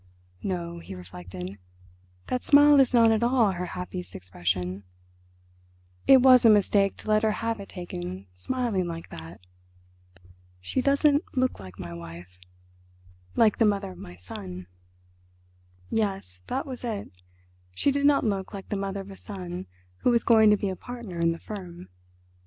"No," he reflected, "that smile is not at all her happiest expression—it was a mistake to let her have it taken smiling like that. She doesn't look like my wife—like the mother of my son." Yes, that was it, she did not look like the mother of a son who was going to be a partner in the firm.